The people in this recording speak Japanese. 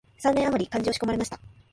三年あまり漢学を仕込まれました